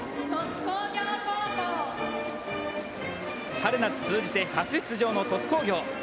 春夏通じて初出場の鳥栖工業。